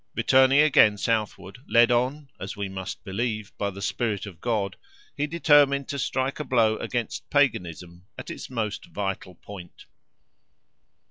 Returning again southward, led on, as we must believe, by the Spirit of God, he determined to strike a blow against Paganism at its most vital point.